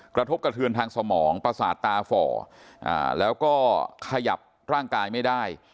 กระทบกระเทือนทางสมองประสาทตาฝ่อแล้วก็ขยับร่างกายไม่ได้